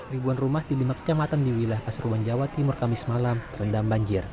ribuan rumah di lima kecamatan di wilayah pasuruan jawa timur kamis malam terendam banjir